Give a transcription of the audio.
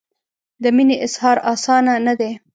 د مینې اظهار اسانه نه دی.